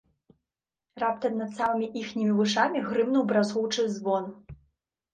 Раптам над самымі іхнімі вушамі грымнуў бразгучы звон.